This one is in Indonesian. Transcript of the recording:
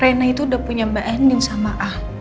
reina itu udah punya mbak ending sama ah